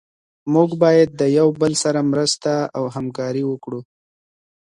موږ باید د یو بل سره مرسته او همکاري وکړو.